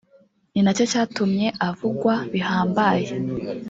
ni nacyo cyatumye avugwa bihambaye